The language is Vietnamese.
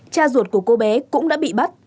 cha ruột của cô bé cũng đã bị bắt